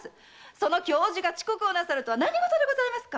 その教授が遅刻をなさるとは何事でございますか？